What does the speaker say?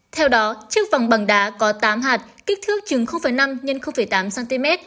theo đó chiếc vòng bằng đá có tám hạt kích thước chừng năm x tám cm